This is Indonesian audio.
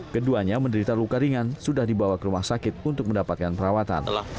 keduanya menderita luka ringan sudah dibawa ke rumah sakit untuk mendapatkan perawatan